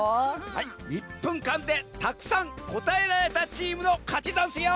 はい１ぷんかんでたくさんこたえられたチームのかちざんすよ！